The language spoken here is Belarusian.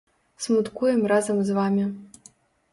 Смуткуем разам з вамі.